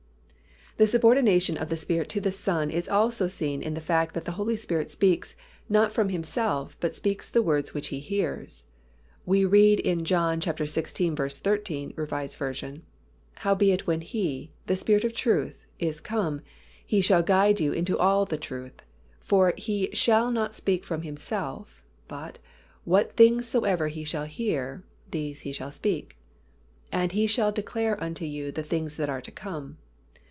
The subordination of the Spirit to the Son is also seen in the fact that the Holy Spirit speaks "not from Himself but speaks the words which He hears." We read in John xvi. 13, R. V., "Howbeit when He, the Spirit of truth, is come, He shall guide you into all the truth: for He shall not speak from Himself; but what things soever He shall hear, these shall He speak: and He shall declare unto you the things that are to come."